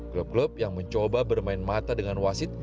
klub klub yang mencoba bermain mata dengan wasit